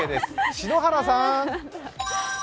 篠原さーん。